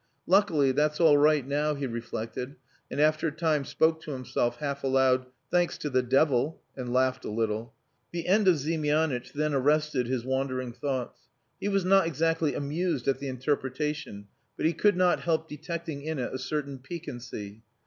"Luckily, that's all right now," he reflected, and after a time spoke to himself, half aloud, "Thanks to the devil," and laughed a little. The end of Ziemianitch then arrested his wandering thoughts. He was not exactly amused at the interpretation, but he could not help detecting in it a certain piquancy.